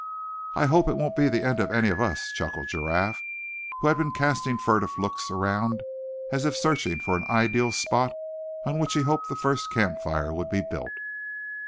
"I hope it won't be the end of any of us," chuckled Giraffe, who had been casting furtive looks around, as if searching for an ideal spot on which he hoped the first camp fire would be built.